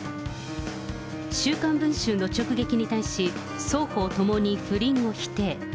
週刊文春の直撃に対し、双方ともに不倫を否定。